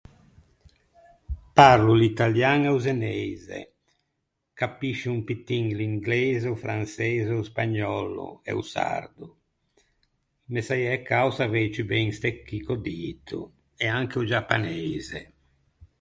Parlo l’italian e o zeneise. Capiscio un pittin l’ingleise, o franseise, o spagnòllo e o sardo. Me saiæ cao savei ciù ben ste chì ch’ò dito, e anche o giapaneise.